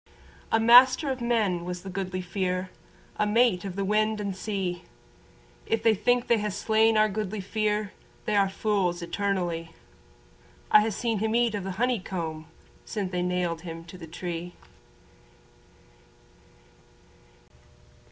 A master of men was the Goodly Fere, A mate of the wind and sea, If they think they ha' slain our Goodly Fere They are fools eternally. I ha' seen him eat o' the honey comb Sin' they nailed him to the tree.